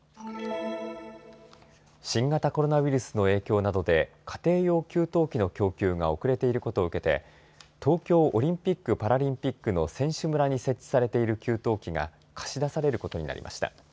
新型コロナウイルスの影響などで家庭用給湯器の供給が遅れていることを受けて東京オリンピック・パラリンピックの選手村に設置されている給湯器が貸し出されることになりました。